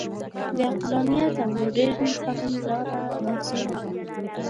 د عقلانیت او مډرن فهم لاره داسې نه ده.